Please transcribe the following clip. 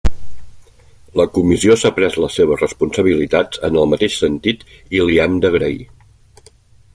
La Comissió s'ha pres les seves responsabilitats en el mateix sentit i li hem d'agrair.